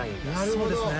そうですね。